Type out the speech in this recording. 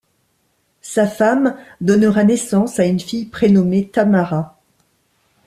Sa femme donnera naissance à une fille prénommée Tamára.